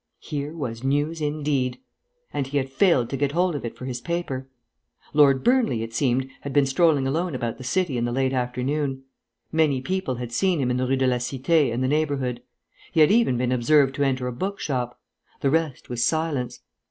Here was news indeed. And he had failed to get hold of it for his paper. Lord Burnley, it seemed, had been strolling alone about the city in the late afternoon; many people had seen him in the Rue de la Cité and the neighbourhood. He had even been observed to enter a bookshop. The rest was silence.